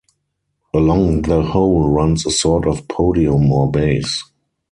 Along the whole runs a sort of podium or base.